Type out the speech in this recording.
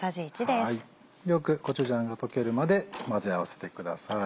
よくコチュジャンが溶けるまで混ぜ合わせてください。